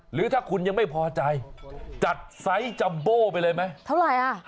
หรือถ้าคุณยังไม่พอใจจัดไซส์จัมโบ้ไปเลยไหม